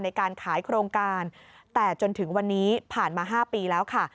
ในการขายโครงการแต่จนถึงวันนี้ผ่านมา๕ปีแล้วค่ะ